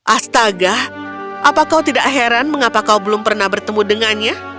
astaga apa kau tidak heran mengapa kau belum pernah bertemu dengannya